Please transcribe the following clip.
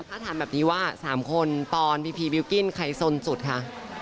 ถ้าถามแบบนี้ว่า๓คนตอนพีพีบิลกิ้นใครสนสุดคะ